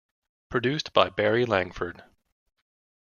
Produced by Barry Langford.